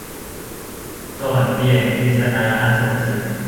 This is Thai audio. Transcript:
สวรรค์เบี่ยง - กฤษณา อโศกสิน